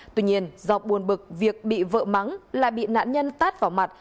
tuy nhiên do buồn bực việc bị vợ mắng lại bị nạn nhân tát vào mặt